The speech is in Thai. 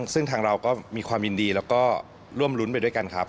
ซึ่งทางเราก็มีความยินดีแล้วก็ร่วมรุ้นไปด้วยกันครับ